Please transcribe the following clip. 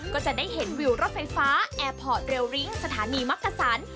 ก็จะได้เห็นวิวรถไฟฟ้าแอร์พอร์ตเรลิ้งสถานีมักกะสัน